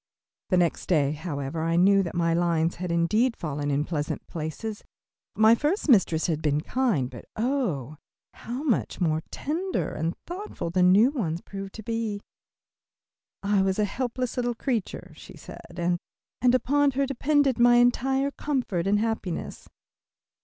The next day, however, I knew that my lines had indeed fallen in pleasant places. My first mistress had been kind, but oh, how much more tender and thoughtful the new one proved to be! "I was a helpless little creature," she said, "and upon her depended my entire comfort and happiness."